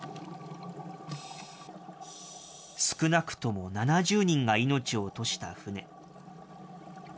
少なくとも７０人が命を落とした船。